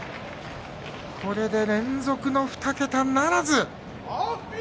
これで連続の２桁はならず。